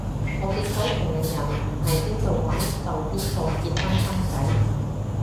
我見到同齡人唔係邊到玩就邊個結婚生仔